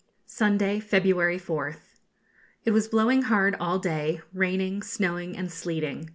Sunday, February 4th. It was blowing hard all day, raining, snowing, and sleeting.